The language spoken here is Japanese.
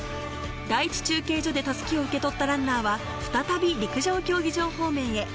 第１中継所で襷を受け取ったランナーは再び陸上競技場方面へ。